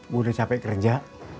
gue udah capek kerja